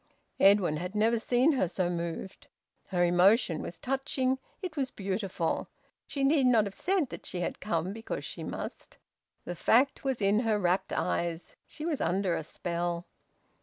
Edwin had never seen her so moved. Her emotion was touching, it was beautiful. She need not have said that she had come because she must. The fact was in her rapt eyes. She was under a spell.